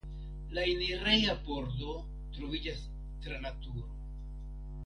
La enireja pordo troviĝas tra la turo.